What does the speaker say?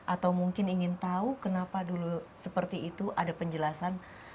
atau mungkin ingin tahu kenapa dulu seperti itu ada penjelasan